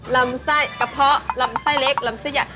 ลำไส้กระเพาะลำไส้เล็กลำไส้ใหญ่